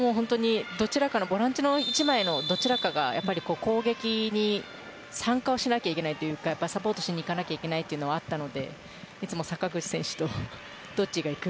あれはボランチのどちらかの１枚が攻撃に参加をしなきゃいけないというかサポートしにいかなきゃいけないというのはあったのでいつも阪口選手とどっちがいく？